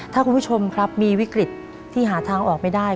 ถ้าคุณผู้ชมครับมีวิกฤตที่หาทางออกไม่ได้